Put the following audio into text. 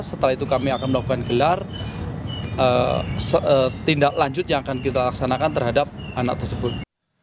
setelah itu kami akan melakukan gelar tindak lanjut yang akan kita laksanakan terhadap anak tersebut